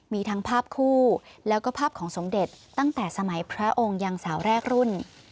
มีทั้งภาพคู่แล้วก็ภาพของสมเด็จตั้งแต่สมัยพระองค์ยังสาวแรกรุ่น